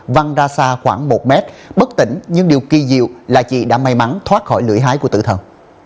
văng ra xa khoảng một mét bất tỉnh nhưng điều kỳ diệu là chị đã may mắn thoát khỏi lưỡi hái của tử thần